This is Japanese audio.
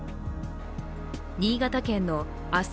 新潟県の明日